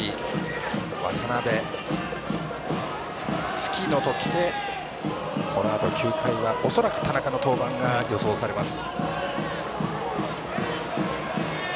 月野ときて、このあと９回裏恐らく田中の登板が予想されます。